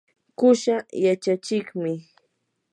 qusaa yachachiqmi.